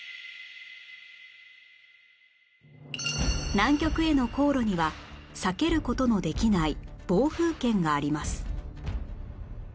南極への航路には避ける事のできない暴風圏があります